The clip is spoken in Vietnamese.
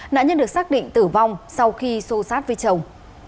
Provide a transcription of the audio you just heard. nạn nhân được xác định tử vong sau khi xô sát với chồng